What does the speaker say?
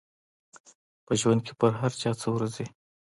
په ژوند کې پر چا هر څه ورځي.